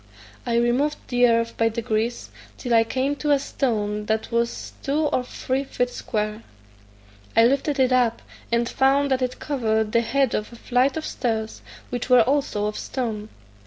I removed the earth by degrees, till I came to a stone that was two or three feet square. I lifted it up, and found that it covered the head of a flight of stairs, which were also of stone.